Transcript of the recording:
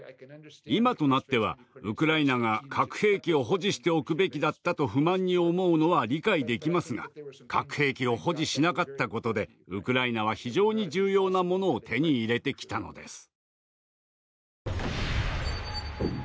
今となってはウクライナが「核兵器を保持しておくべきだった」と不満に思うのは理解できますが核兵器を保持しなかったことでウクライナは非常に重要なものを手に入れてきたのです。